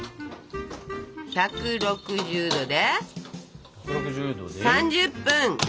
１６０℃で３０分。